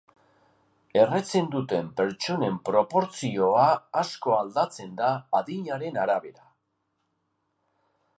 Erretzen duten pertsonen proportzioa asko aldatzen da adinaren arabera.